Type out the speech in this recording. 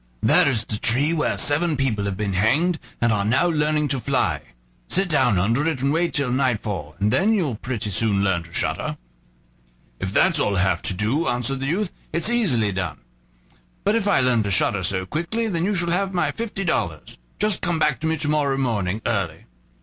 there is the tree where seven people have been hanged, and are now learning to fly; sit down under it and wait till nightfall, and then you'll pretty soon learn to shudder." "If that's all I have to do," answered the youth, "it's easily done; but if I learn to shudder so quickly, then you shall have my fifty dollars. Just come back to me to morrow morning early."